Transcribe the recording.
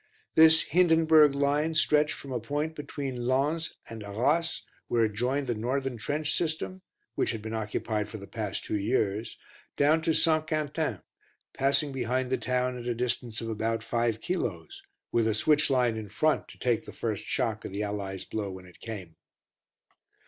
This "Hindenburg" line stretched from a point between Lens and Arras where it joined the northern trench system, which had been occupied for the past two years, down to St. Quentin, passing behind the town at a distance of about five kilos, with a switch line in front to take the first shock of the Allies' blow when it came.